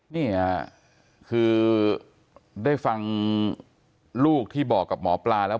นี่ค่ะคือได้ฟังลูกที่บอกกับหมอปลาแล้ว